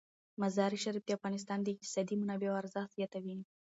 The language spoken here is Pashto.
مزارشریف د افغانستان د اقتصادي منابعو ارزښت زیاتوي.